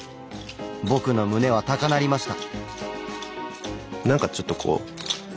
僕の胸は高鳴りました。